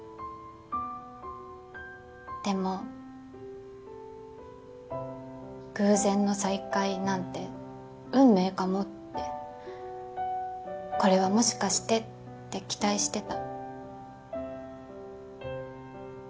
でも偶然の再会なんて運命かもってこれはもしかしてって期待してた。